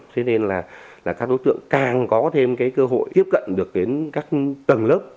cho nên là các đối tượng càng có thêm cái cơ hội tiếp cận được đến các tầng lớp